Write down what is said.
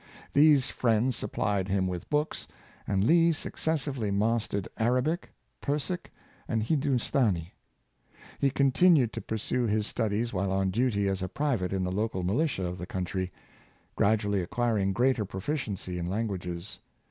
These friends supplied him with books, and Lee succcessively mastered Arabic, Persic, and Hindostanee. He contin ued to pursue his studies while on duty as a private in the local militia of the county; gradually acquiring greater proficiency in languages.